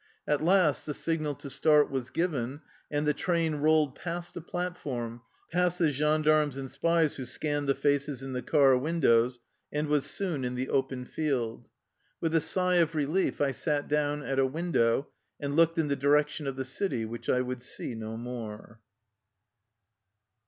At last the signal to start was given, and the train rolled past the platform, past the gendarmes and spies who scanned the faces in the car windows, and was soon in the open field. With a sigh of relief I sat down at a window and looked in the direction of the city, which I would see no more.